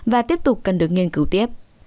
và tiếp tục cần được nghiên cứu tiếp